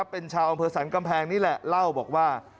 เป็นชาวแรงบิลเฝอศัลกำเพงนี่แหละเล่าบอกว่า